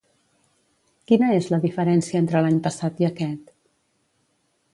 Quina és la diferència entre l’any passat i aquest?